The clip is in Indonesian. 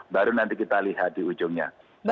baru nanti kita lihat di ujungnya